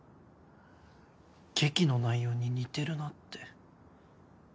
劇の内容に似てるなって。